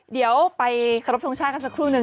เดี๋ยวไปขอรบทรงชาติกันสักครู่นึ